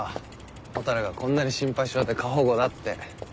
蛍がこんなに心配性で過保護だって。